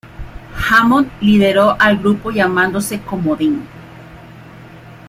Hammond lideró al grupo llamándose "comodín".